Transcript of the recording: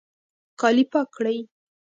کالي پاک کړئ